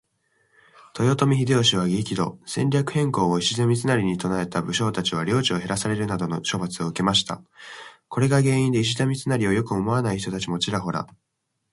豊臣秀吉は激怒。戦略変更を石田三成に訴えた武将達は領地を減らされるなどの処罰を受けました。これが原因で石田三成を良く思わない人たちもちらほら。